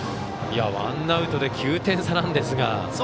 ワンアウトで９点差なんですが。